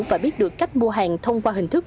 và biết được cách mua hàng thông qua hình thức